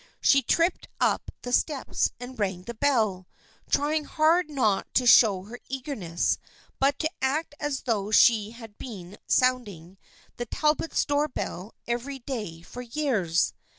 She tripped up the steps and rang the bell, trying hard not to show her eagerness but to act as though she had been sounding the Talbots' door bell every day for years.